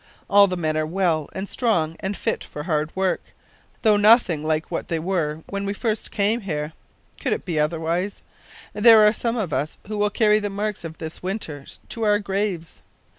All the men are well and strong and fit for hard work though nothing like what they were when we first came here. Could it be otherwise? There are some of us who will carry the marks of this winter to our graves.